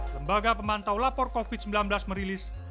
lembaga pemantau lapor covid sembilan belas merilis